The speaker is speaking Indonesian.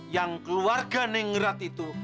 yang keluarga nenggerat itu